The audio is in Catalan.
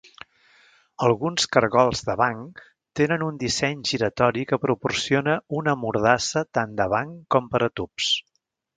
Alguns cargols de banc tenen un disseny giratori que proporciona una mordassa tant de banc com per a tubs.